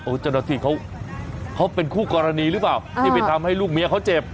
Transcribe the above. เจ้าหน้าที่เขาเป็นคู่กรณีหรือเปล่าที่ไปทำให้ลูกเมียเขาเจ็บ